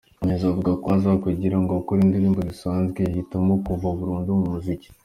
Yanzuye avuga ko aho kugira ngo akore indirimbo zisanzwe, yahitamo kuva burundu mu muziki.